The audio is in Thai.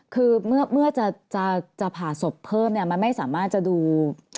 อ๋อคือเมื่อจะผ่าสบเพิ่มมันไม่สามารถจะดู